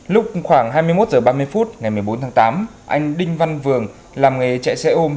lúc khoảng hai mươi một h ba mươi phút ngày một mươi bốn tháng tám anh đinh văn vườn làm nghề chạy xe ôm